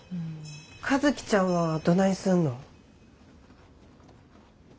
和希ちゃんはどないすんの？